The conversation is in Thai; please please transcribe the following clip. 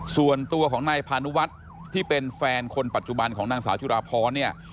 ส่วนตัวของนายพานุวัฒน์ที่เป็นแฟนคนปัจจุบันของนางสาวจุราพรเนี่ย